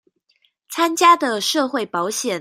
參加的社會保險